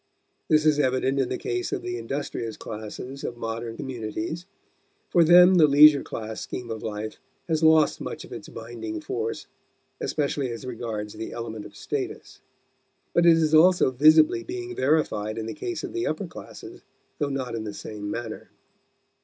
This is evident in the case of the industrious classes of modern communities; for them the leisure class scheme of life has lost much of its binding force, especially as regards the element of status. But it is also visibly being verified in the case of the upper classes, though not in the same manner.